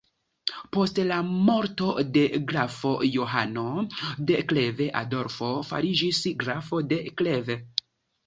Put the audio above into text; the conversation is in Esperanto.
Post la morto de Grafo Johano de Kleve Adolfo fariĝis grafo de Kleve.